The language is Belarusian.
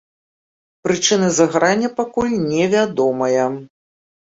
Прычыны загарання пакуль не вядомая.